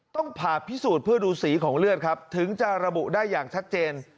ต้องผ่าพิสูจน์เพื่อดูสีของเลือดครับถึงจะระบุได้อย่างชัดเจน